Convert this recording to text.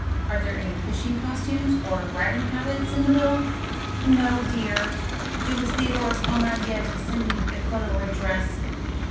Are there any fishing costumes, or riding habits, in the bill?" "No, dear. It was Theodore's own idea to send me the corduroy dress.